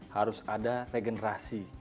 harus ada regenerasi